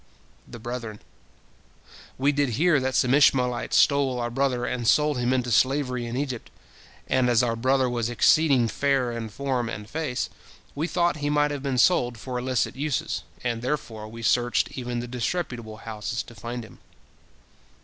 The brethren: "We did hear that some Ishmaelites stole our brother, and sold him into slavery in Egypt, and as our brother was exceeding fair in form and face, we thought he might have been sold for illicit uses, and therefore we searched even the disreputable houses to find him."